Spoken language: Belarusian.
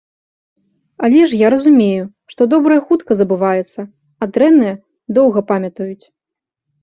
Але ж я разумею, што добрае хутка забываецца, а дрэннае доўга памятаюць!